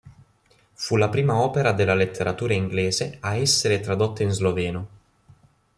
Fu la prima opera della letteratura inglese a essere tradotta in sloveno.